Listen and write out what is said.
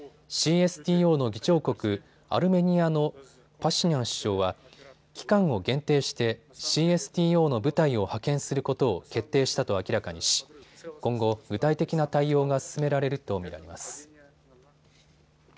ＣＳＴＯの議長国、アルメニアのパシニャン首相は期間を限定してＣＳＴＯの部隊を派遣することを決定したと明らかにし今後、具体的な対応が進められると見られます。